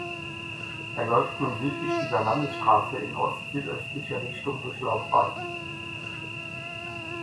Er läuft nun südlich dieser Landesstraße in ostsüdöstlicher Richtung durch Laubwald.